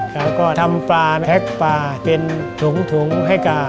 แล้วก็ทำปลาแท็กปลาเป็นถุงให้ก่า